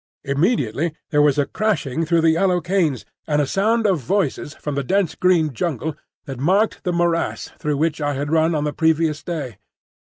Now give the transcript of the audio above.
Immediately there was a crashing through the yellow canes, and a sound of voices from the dense green jungle that marked the morass through which I had run on the previous day.